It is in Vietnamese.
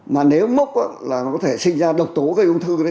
mà nếu mốc là nó có thể sinh ra độc tố gây ung thư